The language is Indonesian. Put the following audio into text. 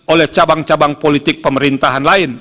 oleh cabang cabang politik pemerintahan lain